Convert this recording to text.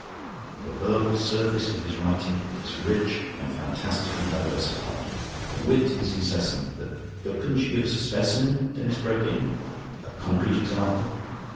The verbal surface of his writing is rich and fantastically diversified. The wit is incessant. The..." "But couldn't you give us a specimen," Denis broke in "a concrete example?"